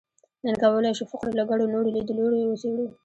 نن کولای شو فقر له ګڼو نورو لیدلوریو وڅېړو.